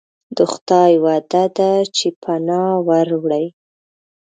د خدای وعده ده چې پناه وروړي.